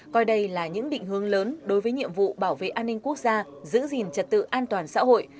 coi đây là những định hướng lớn đối với nhiệm vụ bảo vệ an ninh quốc gia giữ gìn trật tự an toàn xã hội